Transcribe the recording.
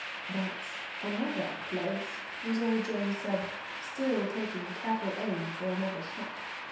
"That's another place," was all Jones said, still taking careful aim for another shot.